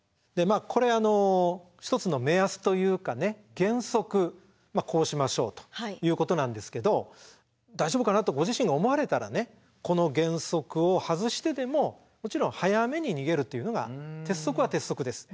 これ一つの目安というか原則こうしましょうということなんですけど大丈夫かなとご自身が思われたらこの原則を外してでももちろん早めに逃げるっていうのが鉄則は鉄則です。